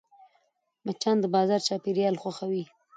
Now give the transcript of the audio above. مچان د بازار چاپېریال خوښوي